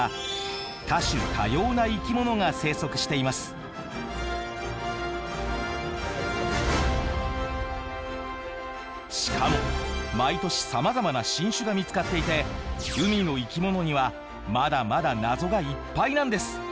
そんな海にはしかも毎年さまざまな新種が見つかっていて海の生き物にはまだまだ謎がいっぱいなんです。